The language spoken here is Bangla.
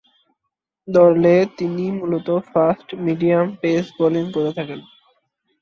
দলে তিনি মূলতঃ ফাস্ট-মিডিয়াম পেস বোলিং করে থাকেন।